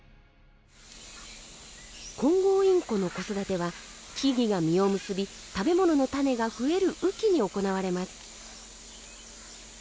コンゴウインコの子育ては木々が実を結び食べ物の種が増える雨季に行われます。